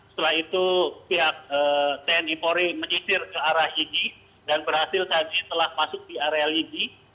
setelah itu pihak tni polri menyisir ke arah ini dan berhasil tadi telah masuk di area lidi